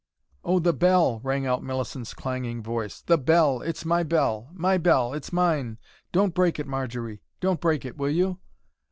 "Oh, the bell!" rang out Millicent's clanging voice. "The bell! It's my bell. My bell! It's mine! Don't break it, Marjory. Don't break it, will you?"